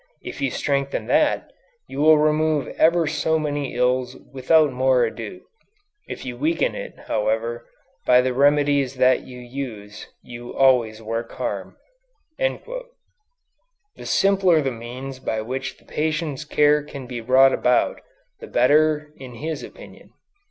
If you strengthen that, you remove ever so many ills without more ado. If you weaken it, however, by the remedies that you use you always work harm." The simpler the means by which the patient's cure can be brought about, the better in his opinion.